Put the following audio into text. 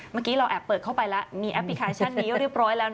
เมื่อกี้เราแอบเปิดเข้าไปแล้วมีแอปพลิเคชันนี้เรียบร้อยแล้ว